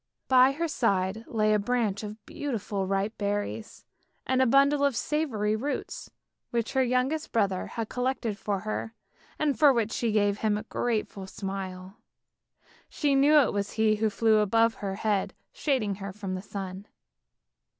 By her side lay a branch of beautiful ripe berries, and a bundle of savoury roots, which her youngest brother had collected for her, and for which she gave him a grateful smile. She knew it was he who flew above her head shading her from the sun.